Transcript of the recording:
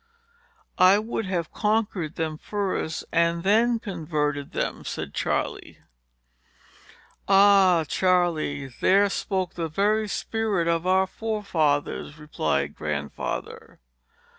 "I would have conquered them first, and then converted them," said Charley. "Ah, Charley, there spoke the very spirit of our forefathers!" replied Grandfather.